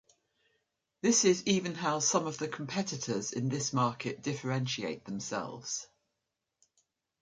This is even how some of the competitors in this market differentiate themselves.